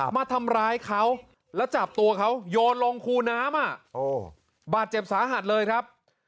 มาทำร้ายเขาแล้วจับตัวเขาโยนลงคูน้ำบาดเจ็บสาหัสเลยครับ